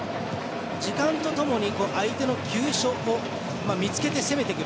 時間とともに相手の急所を見つけて攻めてくる。